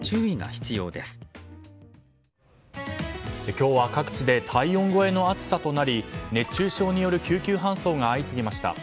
今日は各地で体温超えの暑さとなり熱中症による救急搬送が相次ぎました。